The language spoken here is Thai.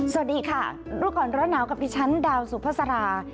สวัสดีค่ะรู้ก่อนร้อนหนาวกับดิฉันดาวสุภาษารา